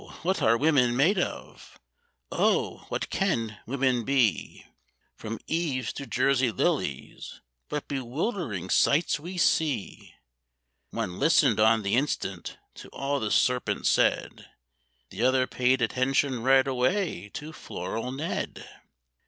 what are women made of? Oh! what can women be? From Eves to Jersey Lilies what bewildering sights we see! One listened on the instant to all the Serpent said; The other paid attention right away to Floral Ned.